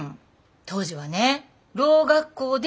当時はねろう学校でも禁止。